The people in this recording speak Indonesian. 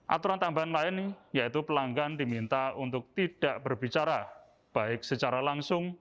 aturan tambahan lain yaitu pelanggan diminta untuk tidak berbicara baik secara langsung